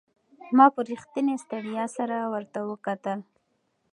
ما په رښتینې ستړیا سره ورته وکتل.